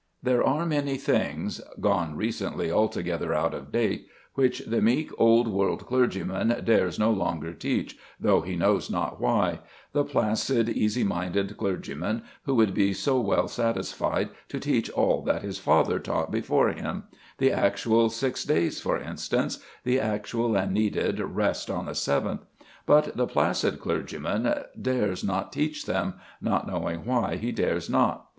There are many things, gone recently altogether out of date, which the meek old world clergyman dares no longer teach, though he knows not why, the placid, easy minded clergyman who would be so well satisfied to teach all that his father taught before him, the actual six days for instance, the actual and needed rest on the seventh; but the placid clergyman dares not teach them, not knowing why he dares not.